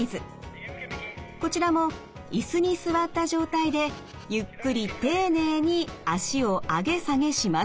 こちらも椅子に座った状態でゆっくり丁寧に脚を上げ下げします。